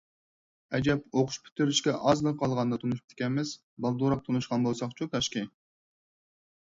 ئەجەب ئوقۇش پۈتتۈرۈشكە ئازلا قالغاندا تونۇشۇپتىكەنمىز، بالدۇرراق تونۇشقان بولساقچۇ كاشكى!